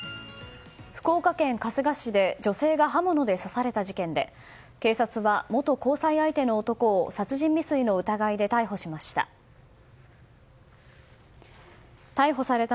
福岡県春日市で女性が刃物で刺された事件で警察は、元交際相手の男を殺人未遂の疑いで逮捕しました。